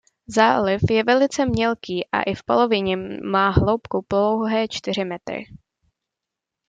Záliv je velice mělký a i v polovině má hloubku pouhé čtyři metry.